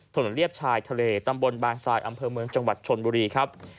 เรียบชายทะเลตำบลบางทรายอำเภอเมืองจังหวัดชนบุรีครับ